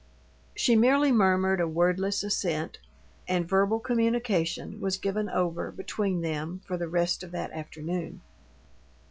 She merely murmured a wordless assent, and verbal communication was given over between them for the rest of that afternoon.